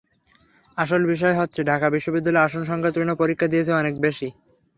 আসল বিষয় হচ্ছে, ঢাকা বিশ্ববিদ্যালয়ে আসনসংখ্যার তুলনায় পরীক্ষা দিয়েছে অনেক বেশি।